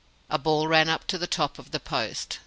A ball ran up to the top of the post.